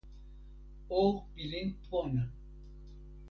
o pilin pona.